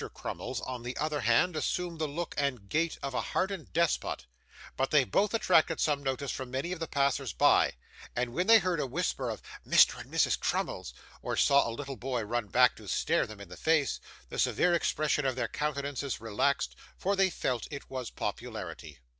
Crummles, on the other hand, assumed the look and gait of a hardened despot; but they both attracted some notice from many of the passers by, and when they heard a whisper of 'Mr. and Mrs. Crummles!' or saw a little boy run back to stare them in the face, the severe expression of their countenances relaxed, for they felt it was popularity.